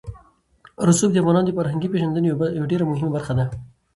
رسوب د افغانانو د فرهنګي پیژندنې یوه ډېره مهمه برخه ده.